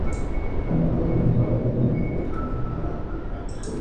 A los lados, dos perros de caza.